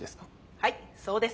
はいそうです。